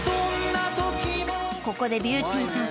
［ここでビューティーさん］